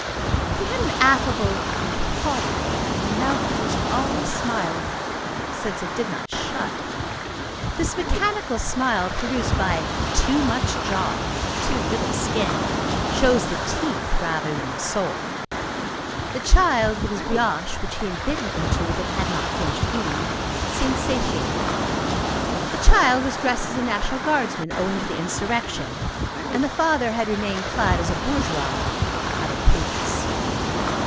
He had an affable and haughty air, and a mouth which was always smiling, since it did not shut. This mechanical smile, produced by too much jaw and too little skin, shows the teeth rather than the soul. The child, with his brioche, which he had bitten into but had not finished eating, seemed satiated. The child was dressed as a National Guardsman, owing to the insurrection, and the father had remained clad as a bourgeois out of prudence.